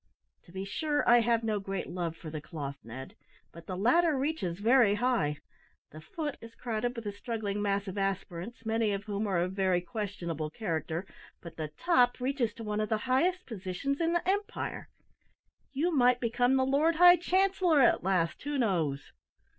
To be sure, I have no great love for the cloth, Ned; but the ladder reaches very high. The foot is crowded with a struggling mass of aspirants, many of whom are of very questionable character, but the top reaches to one of the highest positions in the empire. You might become the Lord High Chancellor at last, who knows!